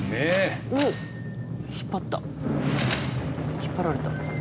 引っ張られた。